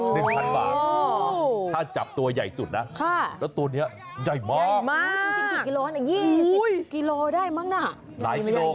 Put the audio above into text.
ทันบาทถ้าจับตัวใหญ่ก่อนอย่างสุดนะ